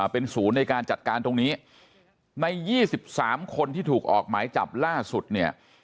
เป็นศูนย์ในการจัดการตรงนี้ใน๒๓คนที่ถูกออกหมายจับล่าสุดเนี่ย